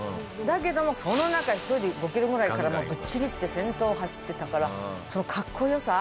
だけどもその中１人５キロぐらいからもうぶっちぎって先頭走ってたからそのかっこよさ。